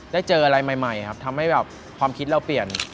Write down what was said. เจออะไรใหม่ครับทำให้แบบความคิดเราเปลี่ยน